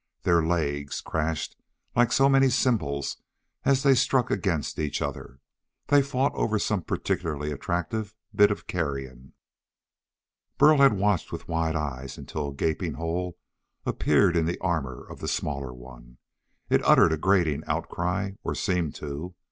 Their legs crashed like so many cymbals as they struck against each other. They fought over some particularly attractive bit of carrion. Burl had watched with wide eyes until a gaping hole appeared in the armor of the smaller one. It uttered a grating outcry or seemed to.